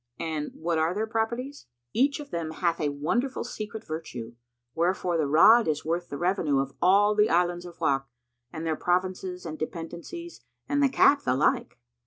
"And what are their properties?" "Each of them hath a wonderful secret virtue, wherefore the rod is worth the revenue of all the Islands of Wak and their provinces and dependencies, and the cap the like!"